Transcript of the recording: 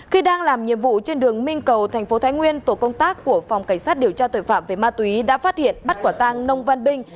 khi đang làm nhiệm vụ trên đường minh cầu thành phố thái nguyên tổ công tác của phòng cảnh sát điều tra tội phạm về ma túy đã phát hiện bắt quả tăng nông văn binh